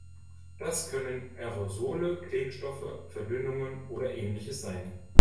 Das können Aerosole, Klebstoffe, Verdünnungen oder Ähnliches sein.